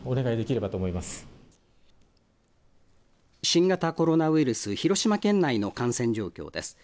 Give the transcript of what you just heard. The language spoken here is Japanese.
新型コロナウイルス、広島県内の感染状況です。